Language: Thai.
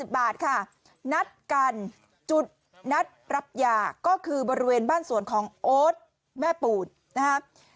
๕๐บาทค่ะนัดการจุดรับยาก็คือบริเวณบ้านสวนของโอ๊ดแม่ปูนนะคะ